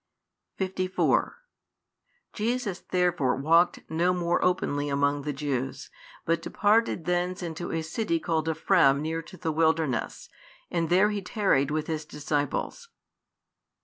54 Jesus therefore walked no more openly among the Jews, but departed thence into a city called Ephraim near to the wilderness; and there He tarried with His disciples.